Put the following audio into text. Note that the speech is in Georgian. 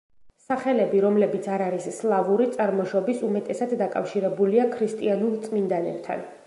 სახელები, რომლებიც არ არის სლავური წარმოშობის უმეტესად დაკავშირებულია ქრისტიანულ წმინდანებთან.